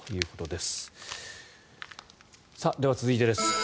では、続いてです。